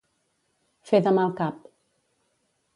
Fer de mal cap.